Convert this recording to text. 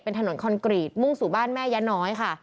เป็นถนนคอนกรีตมุ่งสู่บ้านแม่ยะน้อยค่ะ